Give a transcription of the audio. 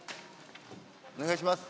お願いします。